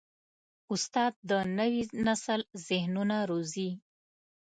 استاد د نوي نسل ذهنونه روزي.